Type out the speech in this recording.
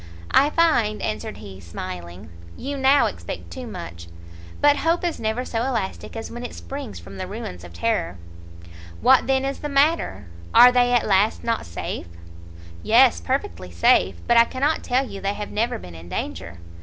"I find," answered he, smiling, "you now expect too much; but hope is never so elastic as when it springs from the ruins of terror." "What then is the matter? Are they at last, not safe?" "Yes, perfectly safe; but I cannot tell you they have never been in danger."